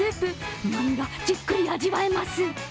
うまみがじっくり味わえます。